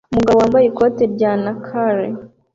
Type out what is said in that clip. Umugabo yambaye ikoti rya NACAR